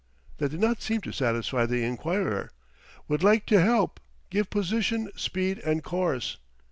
That did not seem to satisfy the inquirer. WOULD LIKE TO HELP GIVE POSITION, SPEED, AND COURSE.